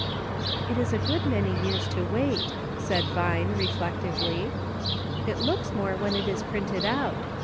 It is a good many years to wait," said Vine, re flectively. " It looks more when it is printed out.